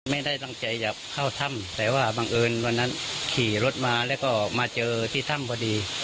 ไม่ได้ตั้งใจจะเข้าถ้ำแต่ว่าบังเอิญวันนั้นขี่รถมาแล้วก็มาเจอที่ถ้ำพอดี